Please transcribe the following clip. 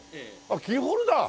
キーホルダー？